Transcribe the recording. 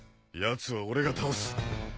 やつは俺が倒す。